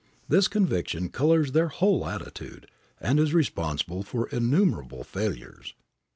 This conviction colors their whole attitude, and is responsible for innumerable failures.